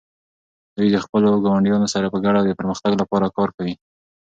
دوی د خپلو ګاونډیانو سره په ګډه د پرمختګ لپاره کار کوي.